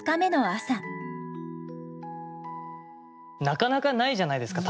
なかなかないじゃないですか。